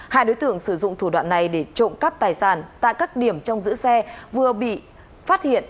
hai đối tượng sử dụng thủ đoạn này để trộm cắp tài sản tại các điểm trong giữ xe vừa bị phát hiện